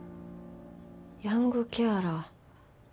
ヤングケアラー。